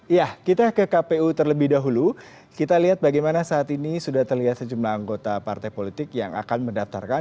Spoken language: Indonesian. ya kita ke kpu terlebih dahulu kita lihat bagaimana saat ini sudah terlihat sejumlah anggota partai politik yang akan mendaftarkan